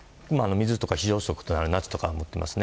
水とか非常食とかナッツは持っていますね。